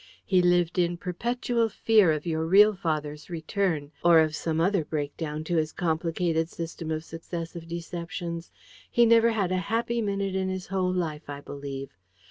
"He lived in perpetual fear of your real father's return, or of some other breakdown to his complicated system of successive deceptions. He never had a happy minute in his whole life, I believe.